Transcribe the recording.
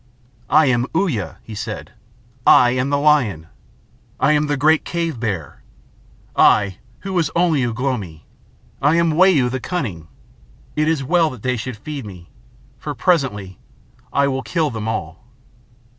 "I am Uya," he said; "I am the Lion. I am the Great Cave Bear, I who was only Ugh lomi. I am Wau the Cunning. It is well that they should feed me, for presently I will kill them all."